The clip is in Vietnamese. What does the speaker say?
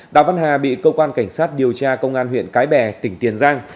đào văn hà bị cơ quan cảnh sát điều tra công an huyện cái bè tỉnh tiền giang